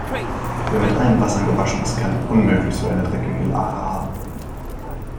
Wer mit allen Wassern gewaschen ist, kann unmöglich so eine dreckige Lache haben.